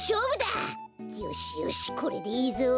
よしよしこれでいいぞ。